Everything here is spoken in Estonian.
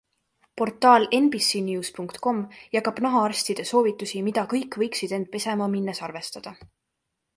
Portaal nbcnews.com jagab nahaarstide soovitusi, mida kõik võiksid end pesema minnes arvestada.